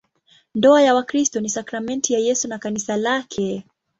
Ndoa ya Wakristo ni sakramenti ya Yesu na Kanisa lake.